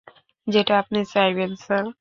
যেটা আপনি চাইবেন, স্যার।